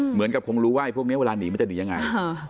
เหมือนกับคงรู้ว่าไอ้พวกนี้เวลาหนีมันจะหนียังไง